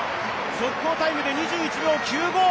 速報タイムで２１秒９５。